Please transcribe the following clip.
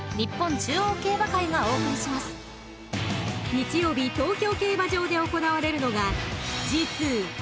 ［日曜日東京競馬場で行われるのが］